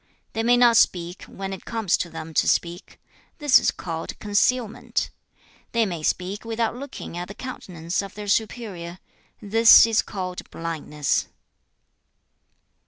They may not speak when it comes to them to speak; this is called concealment. They may speak without looking at the countenance of their superior; this is called blindness.'